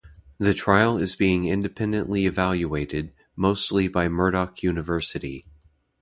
The trial is being independently evaluated, mostly by Murdoch University.